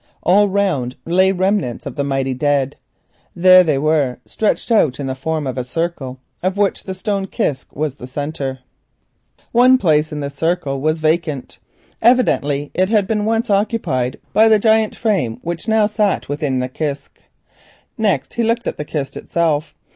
All round lay remnants of the dead. There they were, stretched out in the form of a circle, of which the stone kist was the centre.[*] One place in the circle was vacant; evidently it had once been occupied by the giant frame which now sat within the kist. Next he looked at the kist itself.